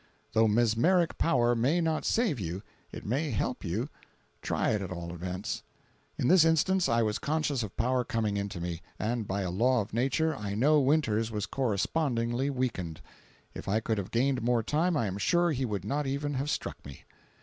Though mesmeric power may not save you, it may help you; try it at all events. In this instance I was conscious of power coming into me, and by a law of nature, I know Winters was correspondingly weakened. If I could have gained more time I am sure he would not even have struck me.